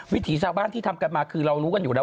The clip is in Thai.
วิถีชาวบ้านที่ทำกันมาคือเรารู้กันอยู่แล้ว